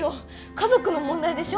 家族の問題でしょ。